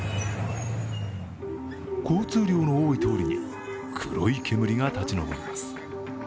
交通量の多い通りに黒い煙が立ち上ります。